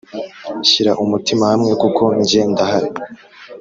Shyira umutima hamwe kuko njye ndahari